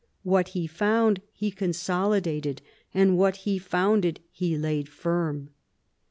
What he found he consolidated, and what he founded he laid firm.